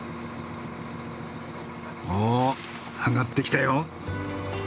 おあがってきたよ。